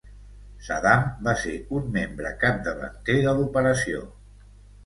Saddam va ser un membre capdavanter de l'operació.